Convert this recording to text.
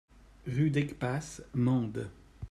Rue d'Aigues Passes, Mende